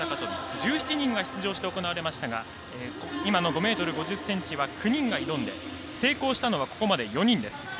１７人が出場して行われましたが今、５ｍ５０ｃｍは９人が挑んで成功したのはここまで４人です。